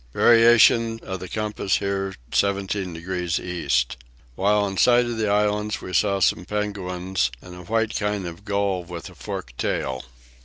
Variation of the compass here 17 degrees east. While in sight of the islands we saw some penguins, and a white kind of gull with a forked tail.